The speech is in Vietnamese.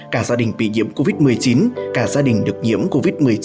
cả gia đình bị nhiễm covid một mươi chín cả gia đình được nhiễm covid một mươi chín